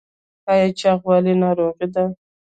ایا چاغوالی ناروغي ده؟